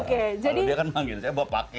kalau dia kan memanggil saya bapake